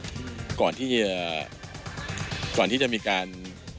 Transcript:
หมานกก่อนที่ย่อนก่อนที่จะมีการเรียกว่าทำเลย